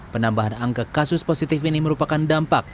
penambahan angka kasus positif ini merupakan dampak